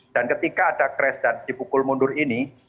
dan ketika ada crash dan dipukul mundur ini